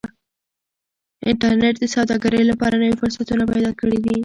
انټرنيټ د سوداګرۍ لپاره نوي فرصتونه پیدا کړي دي.